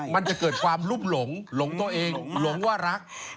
มันจะเกิดความลุกหลงหลงตัวเองหลงว่ารัก